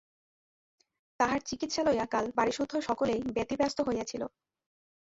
তাহার চিকিৎসা লইয়া কাল বাড়িসুদ্ধ সকলেই ব্যতিব্যস্ত হইয়া ছিল।